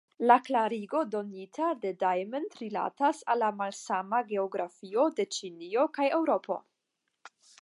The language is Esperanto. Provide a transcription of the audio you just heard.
La klarigo donita de Diamond rilatas al la malsama geografio de Ĉinio kaj Eŭropo.